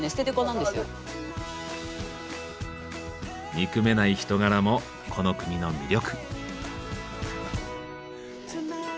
憎めない人柄もこの国の魅力。